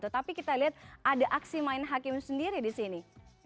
tapi kita lihat ada aksi main hakim sendiri di sini